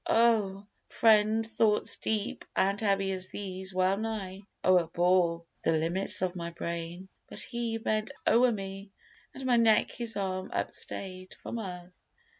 Oh! friend, thoughts deep and heavy as these well nigh O'erbore the limits of my brain; but he Bent o'er me, and my neck his arm upstay'd From earth.